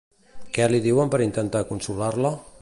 Què li diuen per intentar consolar-la?